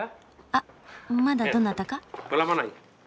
あっまだどなたか？